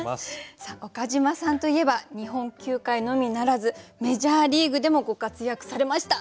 岡島さんといえば日本球界のみならずメジャーリーグでもご活躍されました。